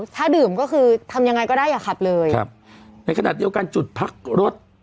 ถ้าดื่มก็คือทำยังไงก็ได้อย่าขับเลยครับในขณะเดียวกันจุดพักรถ